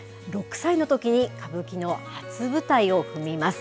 ６歳のときに、歌舞伎の初舞台を踏みます。